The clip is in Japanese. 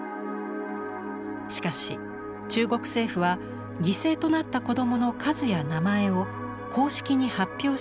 しかし中国政府は犠牲となった子どもの数や名前を公式に発表しませんでした。